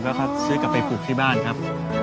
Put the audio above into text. แล้วก็ซื้อกลับไปปลูกที่บ้านครับ